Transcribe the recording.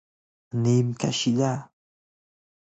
نیم کشیده